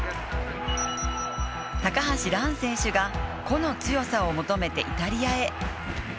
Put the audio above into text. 高橋藍選手が、個の強さを求めてイタリアへ。